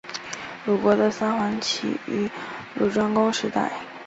鲁国的三桓起于鲁庄公时代。